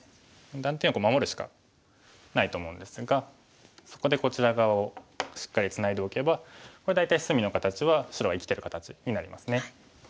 断点を守るしかないと思うんですがそこでこちら側をしっかりツナいでおけばこれ大体隅の形は白は生きてる形になりますね。